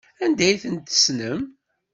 Anda ay tent-tessnem?